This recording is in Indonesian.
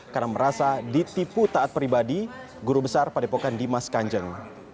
karena merasa ditipu taat pribadi guru besar pada pokokan dimas kanjeng